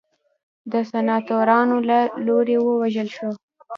د سناتورانو له لوري ووژل شو.